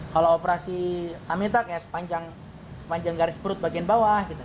kalau operasi tamita kayak sepanjang garis perut bagian bawah gitu